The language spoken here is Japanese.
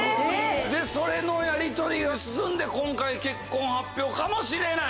でそれのやりとりが進んで今回結婚発表かもしれない？